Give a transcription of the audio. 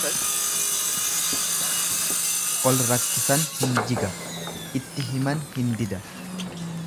Ol rakkisan hin jiga itti himan hin dida.